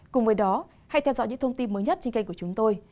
cùng với đó hãy theo dõi những thông tin mới nhất trên kênh của chúng tôi